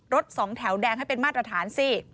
สองแถวแดงให้เป็นมาตรฐานสิ